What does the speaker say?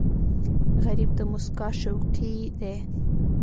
غریب د موسکا شوقي دی